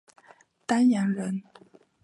丹阳人。